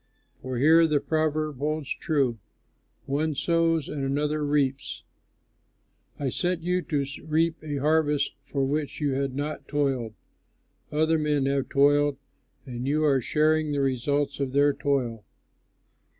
For here the proverb holds true, 'One sows and another reaps.' I sent you to reap a harvest for which you had not toiled; other men have toiled and you are sharing the results of their toil."